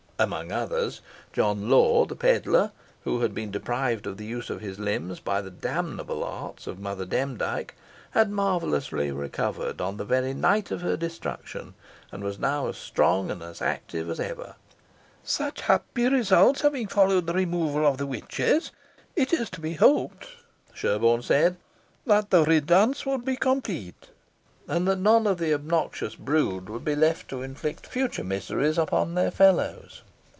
Amongst others, John Law, the pedlar, who had been deprived of the use of his limbs by the damnable arts of Mother Demdike, had marvellously recovered on the very night of her destruction, and was now as strong and as active as ever. "Such happy results having followed the removal of the witches, it was to be hoped," Sherborne said, "that the riddance would be complete, and that none of the obnoxious brood would be left to inflict future miseries on their fellows.